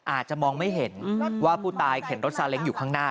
อาจจะมองไม่เห็นว่าผู้ตายเข็นรถซาเล้งอยู่ข้างหน้า